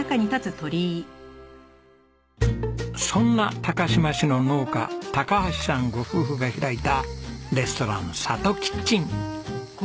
そんな高島市の農家橋さんご夫婦が開いたレストランｓａｔｏｋｉｔｃｈｅｎ。